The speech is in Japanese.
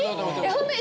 ホントに？